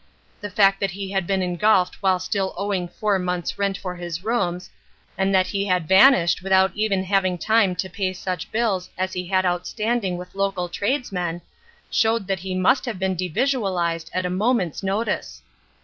The fact that he had been engulfed while still owing four months' rent for his rooms, and that he had vanished without even having time to pay such bills as he had outstanding with local tradesmen, showed that he must have been devisualised at a moment's notice.